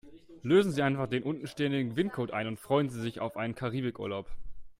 Lösen Sie einfach den unten stehenden Gewinncode ein und freuen Sie sich auf einen Karibikurlaub.